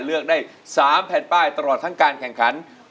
เลือกได้๓แผ่นป้ายตลอดทั้งการแข่งขัน